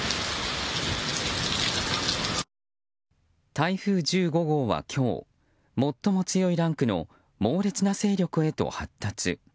台風１５号は今日最も強いランクの猛烈な勢力へと発達。